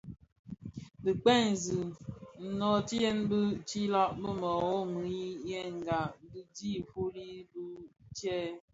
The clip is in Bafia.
Dhi kpëňzi nnöötighèn dhi tiilag, biwoghirèna dhidi fuuli di djèè.